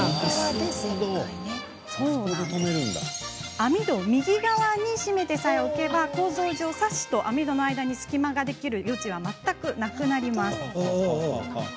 網戸を右側に閉めてさえおけば構造上、サッシと網戸の間に隙間ができる余地は全くなし。